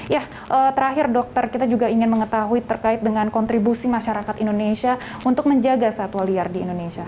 ya terakhir dokter kita juga ingin mengetahui terkait dengan kontribusi masyarakat indonesia untuk menjaga satwa liar di indonesia